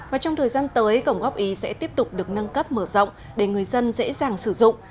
và trong thời gian tới cổng góp ý sẽ tiếp tục được nâng cấp mở rộng để người dân dễ dàng sử dụng